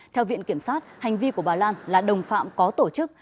theo viện kiểm sát hành vi của bà lan là đồng phạm có tổ chức